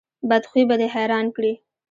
بد خوی به دې حیران کړي.